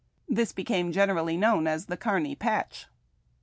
This became generally known as the ' Kearny Patch.'